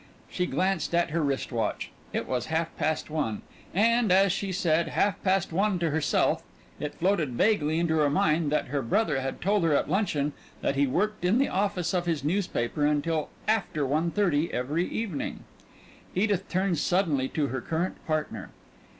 She glanced at her wrist watch. It was half past one. And, as she said "half past one" to herself, it floated vaguely into her mind that her brother had told her at luncheon that he worked in the office of his newspaper until after one thirty every evening. Edith turned suddenly to her current partner.